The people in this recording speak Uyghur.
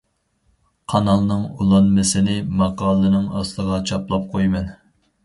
قانالنىڭ ئۇلانمىسىنى ماقالىنىڭ ئاستىغا چاپلاپ قۇيىمەن .